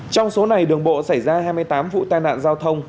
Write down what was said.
trong số này đường bộ xảy ra hai mươi tám vụ tai nạn giao thông